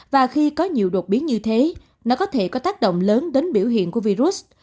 và khi có nhiều đột biến như thế nó có thể có tác động lớn đến biểu hiện của virus